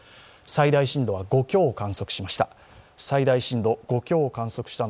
最大震度は５強を観測しました。